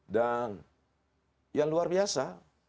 dan yang luar biasa